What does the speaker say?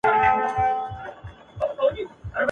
کشر ورور ویل چي زه جوړوم خونه ..